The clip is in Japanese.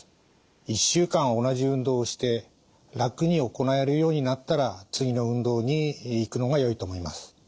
１週間同じ運動をして楽に行えるようになったら次の運動にいくのがよいと思います。